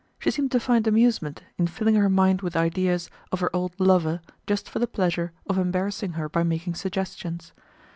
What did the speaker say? She seemed to find amusement in filling her mind with ideas of her old lover just for the pleasure of embarrassing her by making suggestions.